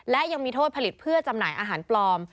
และยังมีโทษผลิตเพื่อจำหน่ายอาหารปลอม